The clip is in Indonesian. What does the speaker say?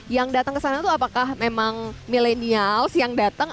yang datang ke sana itu apakah memang milenials yang datang